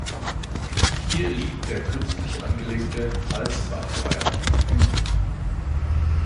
Hier liegt der künstlich angelegte "Halsbach Weiher".